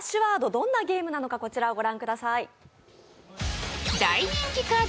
どんなゲームなのか、こちらをご覧ください。